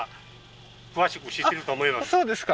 そうです